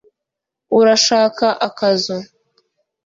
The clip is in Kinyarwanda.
urashaka akazu